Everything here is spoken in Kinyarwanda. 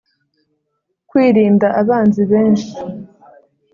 Kwirinda abanzi benshi